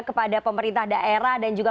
kepada pemerintah daerah dan juga